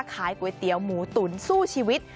ก๋วยเตี๋ยวหมูตุ๋นสู้ชีวิต